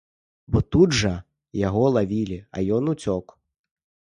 Бо тут жа яго лавілі, а ён уцёк.